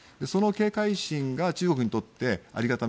その警戒心が中国にとってあり